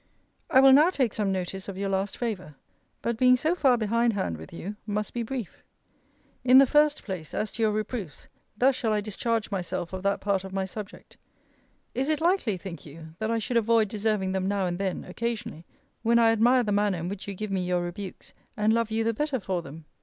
I will now take some notice of your last favour. But being so far behind hand with you, must be brief. In the first place, as to your reproofs, thus shall I discharge myself of that part of my subject. Is it likely, think you, that I should avoid deserving them now and then, occasionally, when I admire the manner in which you give me your rebukes, and love you the better for them?